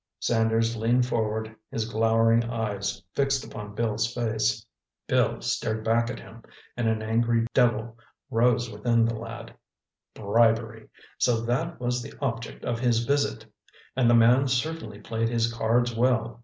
Sanders leaned forward, his glowering eyes fixed upon Bill's face. Bill stared back at him and an angry devil rose within the lad. Bribery—so that was the object of his visit! And the man certainly played his cards well.